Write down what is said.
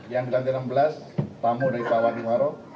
yang sembilan ratus enam belas tamu dari bawah diwaro